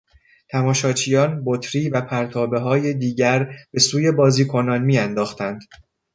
تماشاچیان بطری وپرتابههای دیگر به سوی بازیکنان میانداختند.